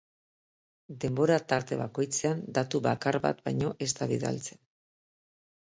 Debora-tarte bakoitzean datu bakar bat baino ez da bidaltzen.